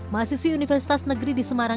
mahasiswi universitas negeri di semarang